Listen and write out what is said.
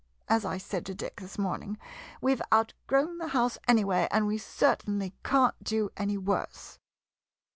As I said to Dick this morning, we've outgrown the house anyway, and we certainly can't do worse!